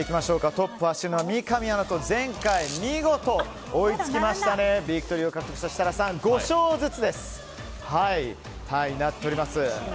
トップは三上アナと前回、見事追いつきましたビクトリーを獲得した設楽さん５勝ずつとなっております。